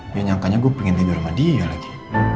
dia nyangkanya gue pengen libur sama dia lagi